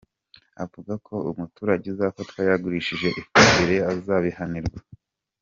Avuga ko umuturage uzafatwa yagurishije ifumbire atazihanganirwa.